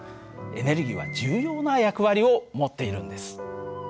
エネルギーは重要な役割を持っているんです。